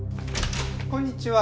こんにちは。